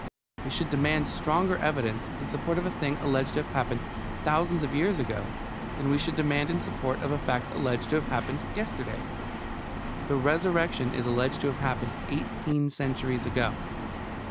We should demand stronger evidence in support of a thing alleged to have happened a thousand years ago than we should demand in support of a fact alleged to have happened yesterday. The Resurrection is alleged to have happened eighteen centuries ago.